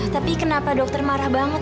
tapi kenapa dokter marah banget